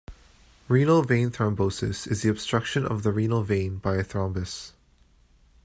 Renal vein thrombosis is the obstruction of the renal vein by a thrombus.